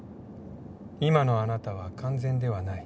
今のあなたは完全ではない。